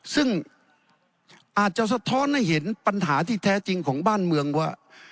ซึ่งอาจจะสะท้อนให้เห็นปัญหาที่แท้จริงของบ้านเมืองว่า